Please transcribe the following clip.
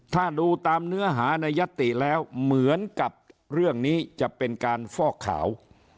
ถ้าดูตามเนื้อหาในยติแล้วเหมือนกับเรื่องนี้จะเป็นการฟอกขาว